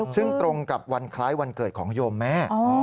ซึ่งตรงกับวันคล้ายวันเกิดของโยมแม่